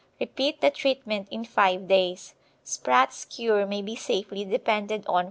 Repeat the treatment in five days. Spratts' cure may be safely depended on for worms.